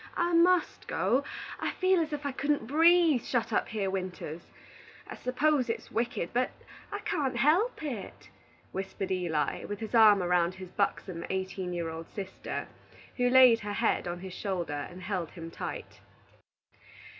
I must go; I feel as if I couldn't breathe, shut up here winters. I s'pose it's wicked, but I can't help it," whispered Eli, with his arm around his buxom eighteen year old sister, who laid her head on his shoulder and held him tight.